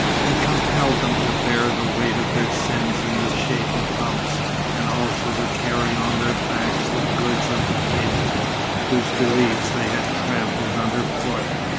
He compelled them to bear the weight of their sins in the shape of humps, and also to carry on their backs the goods of the Faithful, whose beliefs they had trampled under foot.